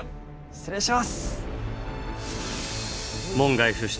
失礼します。